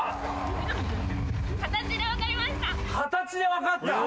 形で分かった？